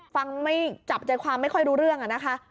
ฟังไม่จับใจความไม่ค่อยรู้เรื่องอะนะคะ